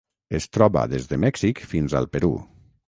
Es troba des de Mèxic fins al Perú.